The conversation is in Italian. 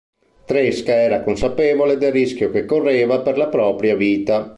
Tresca era consapevole del rischio che correva per la propria vita.